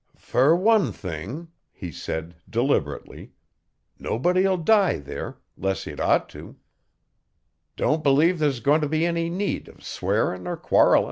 'Fer one thing,' he said, deliberately, 'nobody'll die there, 'less he'd ought to; don't believe there's goin' t' be any need o' swearin' er quarrellin'.